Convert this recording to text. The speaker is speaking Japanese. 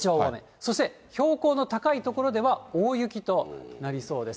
そして標高の高い所では大雪となりそうです。